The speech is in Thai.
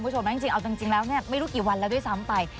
จริงแล้วไม่รู้กี่วันแล้วด้วยซ้ำไป